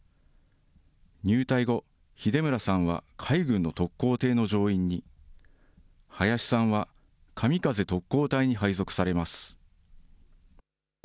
入隊後、秀村さんは海軍の特攻艇の乗員に、林さんは神風特攻隊に配属されます。